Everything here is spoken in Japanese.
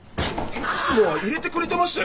いつもは入れてくれてましたよね